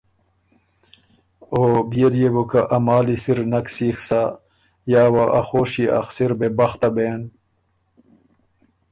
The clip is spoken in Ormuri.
او بيې ليې بو که ا مالی سِر نک سیخ سۀ یا وه ا خوشيې ا خسِر بې بخته بېن،